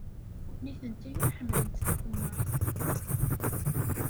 Nitenti ur ḥemmlent takemmart.